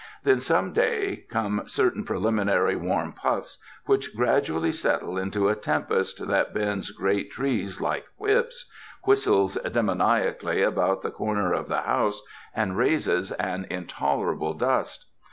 Then some day, come certain preliminary warm puffs, which gradually settle into a tempest that bends great trees like whips, whistles demoniacally al)out the corner of the house, and raises an intoler able dust.